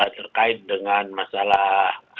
terkait dengan masalah